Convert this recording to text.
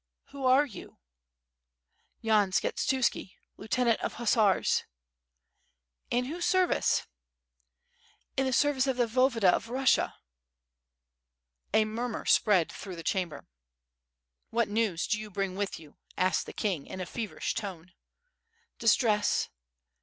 "Who are you?" "Yan Skshetuski, Lieutenant of Husser^." .... "In whose service?" "In the service of the Voyevoda of Russia." A murmur spread through the chamber. "What news do you bring with you?" asked the king, in a feverish tone. "I)i.9tress